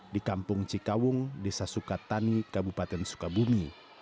di kampung cikawung desa sukatani kabupaten sukabumi